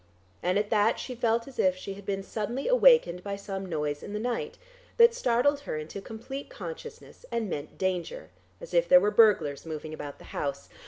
And at that, she felt as if she had been suddenly awakened by some noise in the night, that startled her into complete consciousness, and meant danger; as if there were burglars moving about the house.